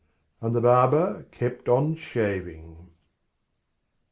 And the barber kept on shaving.